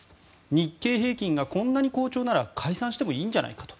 日経平均がこんなに好調なら解散してもいいんじゃないかと。